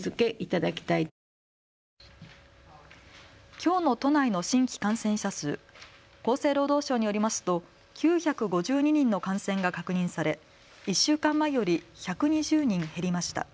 きょうの都内の新規感染者数、厚生労働省によりますと９５２人の感染が確認され１週間前より１２０人減りました。